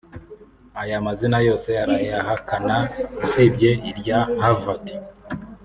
Aya mazina yose arayahakana usibye irya Havard